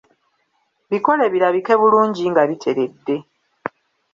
Bikole birabike bulungi nga biteredde.